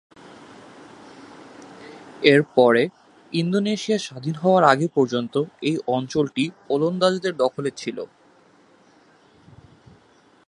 এরপরে ইন্দোনেশিয়া স্বাধীন হওয়ার আগে পর্যন্ত এই অঞ্চলটি ওলন্দাজদের দখলে ছিল।